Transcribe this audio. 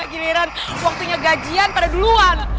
giliran waktunya gajian pada duluan